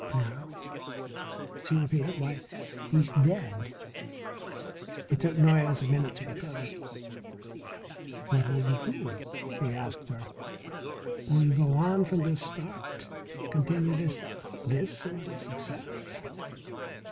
"Now?" she repeated. "Why, he is dead." It took Noyes a minute to recover. "What will you do?" he asked her. "Will you go on from this start, continue this this sort of success?"